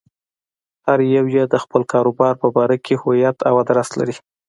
هر يو يې د خپل کاروبار په باره کې هويت او ادرس لري.